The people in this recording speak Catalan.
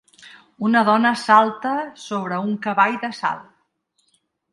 Una dona salta sobre un cavall de salt.